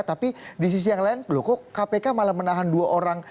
tapi di sisi yang lain loh kok kpk malah menahan dua orang